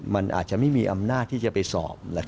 มันอาจจะไม่มีอำนาจที่จะไปสอบ